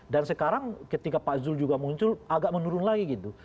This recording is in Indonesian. dan sekarang ketika pak zul juga muncul agak menurun lagi gitu